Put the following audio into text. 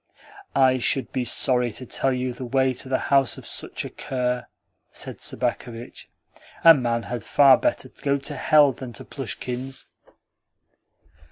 "I should be sorry to tell you the way to the house of such a cur," said Sobakevitch. "A man had far better go to hell than to Plushkin's."